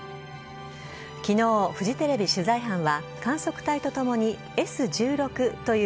昨日フジテレビ取材班は観測隊とともにＳ１６という